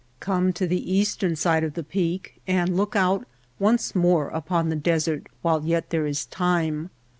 Come to the eastern side of the peak and look out once more upon the desert while yet there is time.